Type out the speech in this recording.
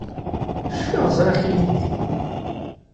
Cfiɣ ẓriɣ-k ilindi.